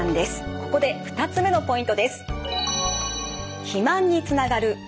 ここで２つ目のポイントです。